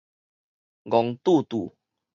戇鈍鈍